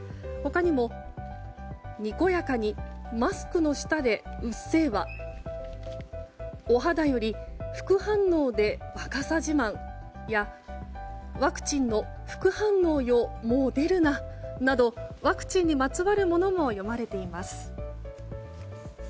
他にも「にこやかにマスクの下で“うっせぇわ！”」「お肌より副反応で若さ自慢」や「ワクチンの副反応よもうデルナ」などワクチンにまつわるものも詠まれています。